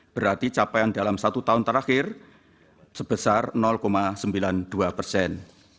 berarti capaian dalam satu tahun terakhir sebesar sembilan puluh dua persen